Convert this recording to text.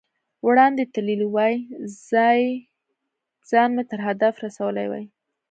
وړاندې تللی وای، ځان مې تر هدف رسولی وای.